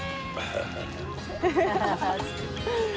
ハハハハ。